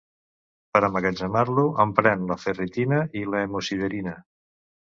Per a emmagatzemar-lo empren la ferritina i l'hemosiderina.